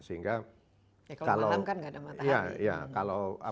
ya kalau malam kan tidak ada matahari